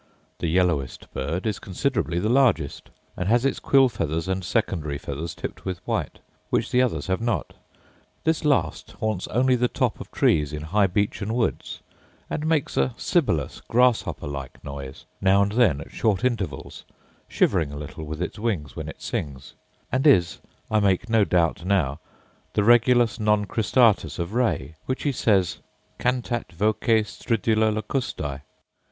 The yellowest bird is considerably the largest, and has its quill feathers and secondary feathers tipped with white, which the others have not. This last haunts only the tops of trees in high beechen woods, and makes a sibilous grasshopper like noise, now and then, at short intervals, shivering a little with its wings when it sings; and is, I make no doubt now, the regulus non cristatus of Ray, which he says 'cantat voce stridula locustae.